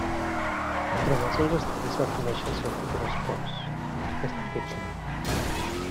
Durant els seus estudis, va conèixer al seu futur espòs, Néstor Kirchner.